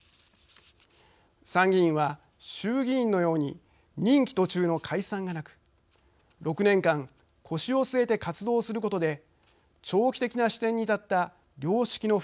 参議院は衆議院のように任期途中の解散がなく６年間腰を据えて活動することで長期的な視点に立った「良識の府」